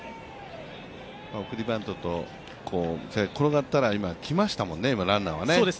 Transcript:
送りバントと転がったら、今来ましたもんね、ランナーが。